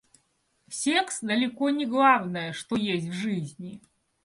Секс далеко не главное, что есть в жизни.